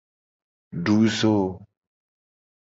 Du zo.